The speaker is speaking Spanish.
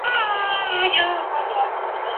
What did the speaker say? Pocas personas.